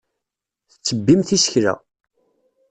Tettebbimt isekla.